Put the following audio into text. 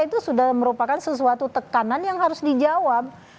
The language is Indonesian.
itu sudah merupakan sesuatu tekanan yang harus dijawab